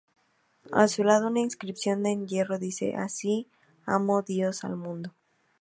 A su lado, una inscripción en hierro dice: "Así amó Dios al mundo".